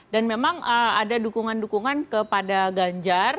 dan memang ada dukungan dukungan kepada ganjar